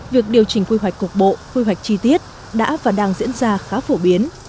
việc điều chỉnh quy hoạch cục bộ quy hoạch chi tiết đã và đang diễn ra khá phổ biến